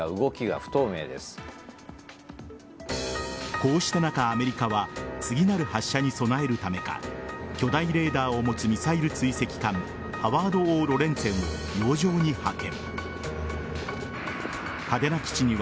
こうした中、アメリカは次なる発射に備えるためか巨大レーダーを持つミサイル追跡艦「ハワード・Ｏ・ロレンツェン」を洋上に派遣。